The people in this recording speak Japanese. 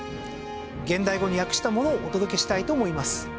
現代語に訳したものをお届けしたいと思います。